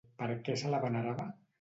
Per què se la venerava?